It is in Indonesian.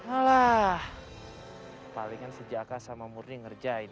alah paling sejak kakak sama murni ngerjain